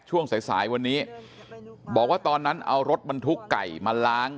ช่วงสายสายวันนี้บอกว่าตอนนั้นเอารถบรรทุกไก่มาล้าง